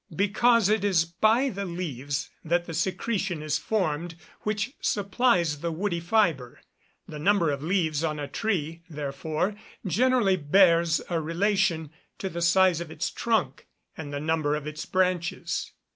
_ Because it is by the leaves that the secretion is formed which supplies the woody fibre. The number of leaves on a tree, therefore, generally bears a relation to the size of its trunk, and the number of its branches.